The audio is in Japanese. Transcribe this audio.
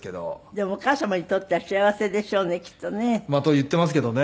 でもお母様にとっては幸せでしょうねきっとね。と言ってますけどね。